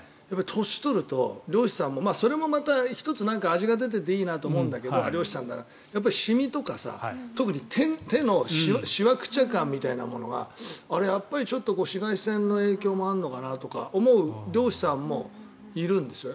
年を取ると漁師さんもそれがまた１つ味が出ていていいなと思うんだけど、シミとかさ特に手のしわくちゃ感みたいなものがあれはやっぱり紫外線の影響もあるのかなとか思う漁師さんもいるんですよ。